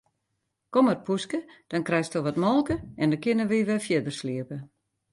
Kom mar poeske, dan krijsto wat molke en dan kinne wy wer fierder sliepe.